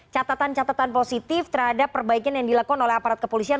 catatan catatan positif terhadap perbaikan yang dilakukan oleh aparat kepolisian